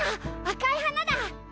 赤い花だ！